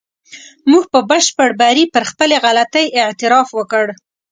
موږ په بشپړ بري پر خپلې غلطۍ اعتراف وکړ.